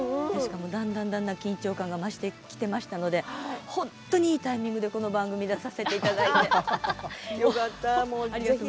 だんだん緊張感が増してきていましたので本当にいいタイミングでこの番組に出させていただいて。